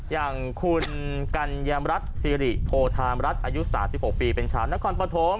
อย่างคุณกัญญามรัฐสิริโพธามรัฐอายุ๓๖ปีเป็นชาวนครปฐม